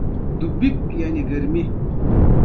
خو اوس د هر راز کتاب پرېماني لیدل کېدله.